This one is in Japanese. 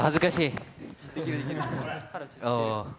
恥ずかしい。